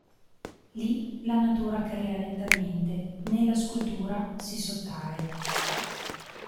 Lì la natura crea lentamente, nella scultura si sottrae.